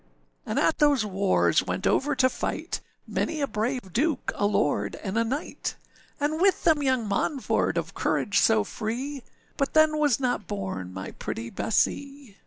âAnd at those wars went over to fight, Many a brave duke, a lord, and a knight, And with them young Monford of courage so free; But then was not born my pretty Bessee.